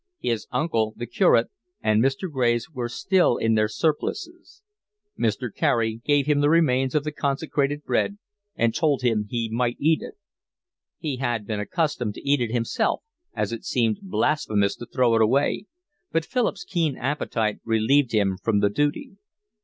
His uncle, the curate, and Mr. Graves were still in their surplices. Mr. Carey gave him the remains of the consecrated bread and told him he might eat it. He had been accustomed to eat it himself, as it seemed blasphemous to throw it away, but Philip's keen appetite relieved him from the duty.